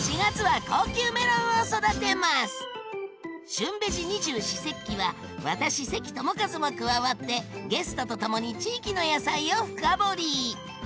「旬ベジ二十四節気」は私関智一も加わってゲストとともに地域の野菜を深掘り！